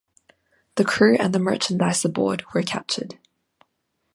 The crew and the merchandise aboard were captured.